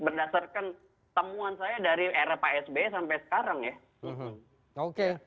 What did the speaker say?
berdasarkan temuan saya dari era pak sby sampai sekarang ya